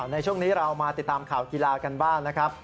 ในช่วงนี้เรามาติดตามข่าวกีฬากันบ้างนะครับ